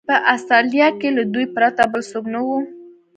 په اسټرالیا کې له دوی پرته بل څوک نه و.